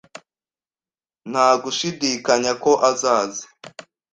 Nta gushidikanya ko azaza.